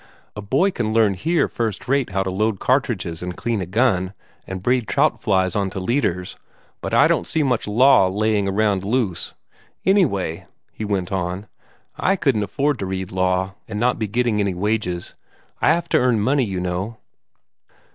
A boy can learn here first rate how to load cartridges and clean a gun, and braid trout flies on to leaders, but I don't see much law laying around loose. Anyway," he went on, "I couldn't afford to read law, and not be getting any wages. I have to earn money, you know."